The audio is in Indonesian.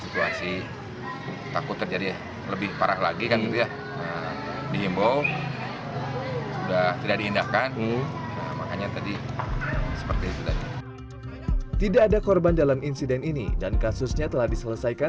tidak ada korban dalam insiden ini dan kasusnya telah diselesaikan